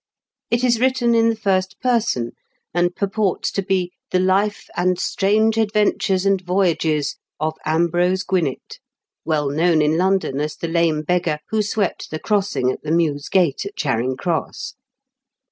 It is written in the first person, and purports to be The Life, and strange Adventures and Voyages, of Ambrose Gwinett, well known in London as the lame beggar who swept the crossing at the Mews Gate, at Charing Cross.